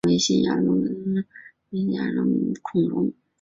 他认为新牙龙是属于像斑龙的兽脚亚目恐龙。